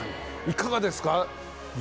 いかがですか？